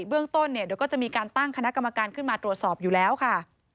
เบื้องต้นเนี่ยเดี๋ยวก็จะมีการตั้งคณะกรรมการขึ้นมาตรวจสอบอยู่แล้วค่ะ